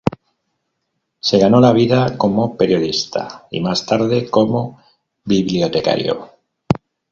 Se ganó la vida como periodista y, más tarde, como bibliotecario.